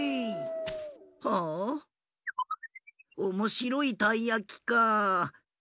おもしろいたいやきかあ。